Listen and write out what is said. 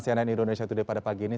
cnn indonesia today pada pagi ini